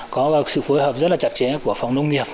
có sự phối hợp rất là chặt chẽ của phòng nông nghiệp